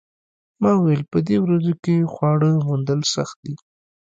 ما وویل په دې ورځو کې خواړه موندل سخت دي